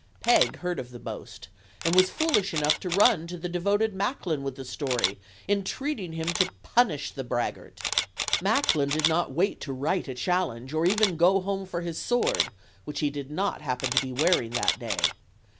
Peg heard of the boast and was foolish enough to run to the devoted Macklin with the story, entreating him to punish the braggart. Macklin did not wait to write a challenge, or even go home for his sword, which he did not happen to be wearing that day.